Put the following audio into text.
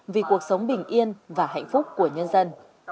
vì cuộc sống bình yên và hạnh phúc của nhân dân